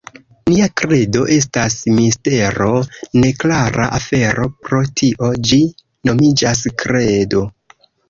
Nia kredo estas mistero, neklara afero; pro tio ĝi nomiĝas kredo.